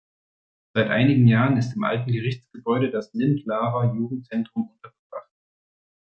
Seit einigen Jahren ist im alten Gerichtsgebäude das Lindlarer Jugendzentrum untergebracht.